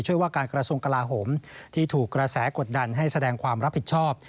ว่าการกระทรวงกลาโหมที่ถูกกระแสกดดันให้แสดงความรับผิดชอบ